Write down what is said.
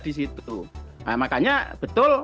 maka makanya betul